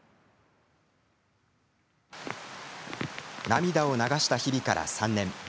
涙を流した日々から３年。